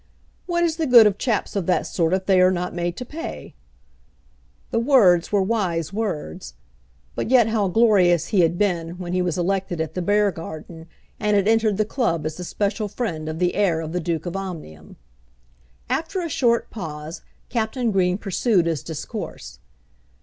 "What is the good of chaps of that sort if they are not made to pay?" The words were wise words. But yet how glorious he had been when he was elected at the Beargarden, and had entered the club as the special friend of the heir of the Duke of Omnium. After a short pause, Captain Green pursued his discourse.